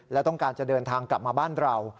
และต้องการจะเดินทางกลับมาบ้านเรา